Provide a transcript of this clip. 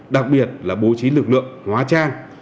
đặc biệt là bố trí lực lượng hóa trang